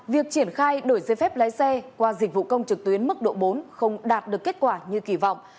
việc triển khai đổi giấy phép lái xe qua dịch vụ công trực tuyến mức độ bốn không đạt được kết quả như kỳ vọng